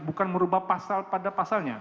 bukan merubah pasal pada pasalnya